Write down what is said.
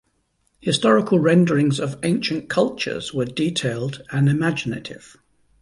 Historical renderings of ancient cultures were detailed and imaginative.